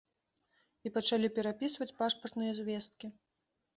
І пачалі перапісваць пашпартныя звесткі.